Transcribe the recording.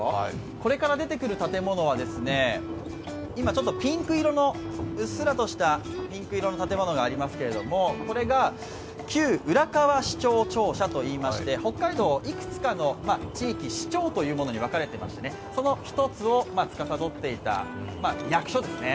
これから出てくる建物は、今、うっすらとしたピンク色の建物がありますけれども、これが旧浦河支庁庁舎といいまして、北海道はいくつかの地域、支庁というものに分かれてましてその１つをつかさどっていた役所ですね。